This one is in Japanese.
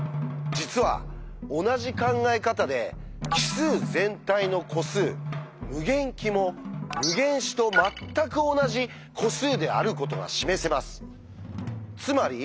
実は同じ考え方で奇数全体の個数「∞き」も「∞自」とまったく同じ個数であることが示せます。